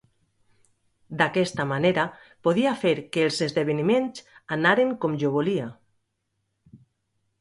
D’aquesta manera podia fer que els esdeveniments anaren com jo volia.